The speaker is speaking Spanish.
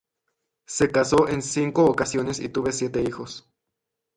Se casó en cinco ocasiones y tuvo siete hijos.